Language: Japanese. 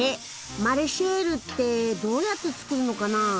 マレシェールってどうやって作るのかな？